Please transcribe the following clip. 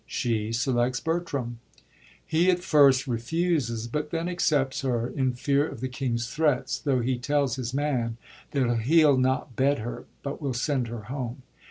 She selects Bertram. He at first refuses, but then accepts her, in fear of the king's threats, tho' he tells his man that he 11 not bed her, but will send her home.